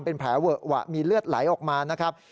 เป็นแผลเวอะหวะมีเลือดไหลออกมานะครับ